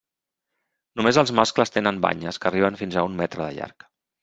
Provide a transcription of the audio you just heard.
Només els mascles tenen banyes, que arriben fins a un metre de llarg.